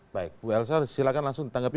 baik bu elsa silahkan langsung ditanggapi